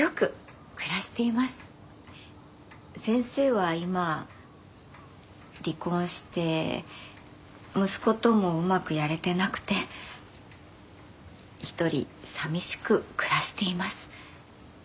先生は今離婚して息子ともうまくやれてなくて一人寂しく暮らしてます。